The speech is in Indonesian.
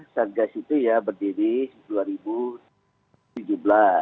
satgas itu berdiri di dua ribu tujuh belas